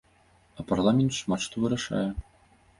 А парламент шмат што вырашае.